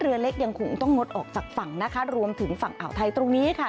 เรือเล็กยังคงต้องงดออกจากฝั่งนะคะรวมถึงฝั่งอ่าวไทยตรงนี้ค่ะ